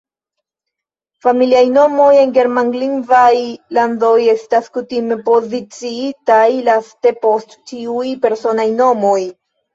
Familiaj nomoj en Germanlingvaj landoj estas kutime poziciitaj laste, post ĉiuj personaj nomoj.